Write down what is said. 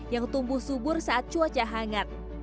yang tumbuh subur saat cuaca hangat